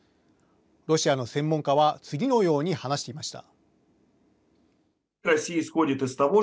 ロシアの専門家は次のように話していました。